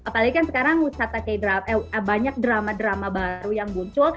apalagi kan sekarang banyak drama drama baru yang muncul